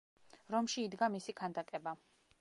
რომში იდგა მისი ქანდაკება.